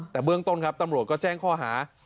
แต่เบื้องต้นครับตำรวจก็แจ้งข้อหา